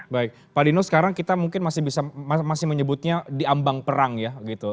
baik pak dino sekarang kita mungkin masih menyebutnya diambang perang ya gitu